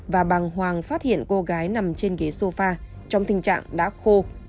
và phát hiện cô gái nằm trên ghế sofa trong tình trạng đã khô